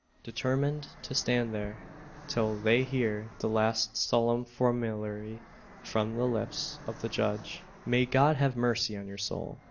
determined to stand there till they hear the last solemn formulary from the lips of the judge: "May God have mercy on your soul!"